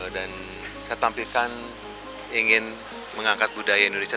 dan saya tampilkan ingin mengangkat budaya indonesia